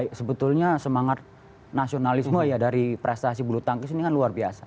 ya sebetulnya semangat nasionalisme ya dari prestasi bulu tangkis ini kan luar biasa